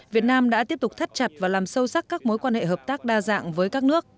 việt nam đã tiếp tục thắt chặt và làm sâu sắc các mối quan hệ hợp tác đa dạng với các nước